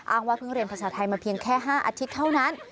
ว่าเพิ่งเรียนภาษาไทยมาเพียงแค่๕อาทิตย์เท่านั้น